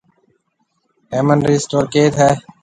هيَمن رِي اسٽور ڪيٿ هيَ؟